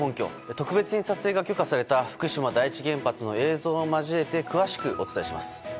特別に撮影が許可された福島第一原発の映像を交えて詳しくお伝えします。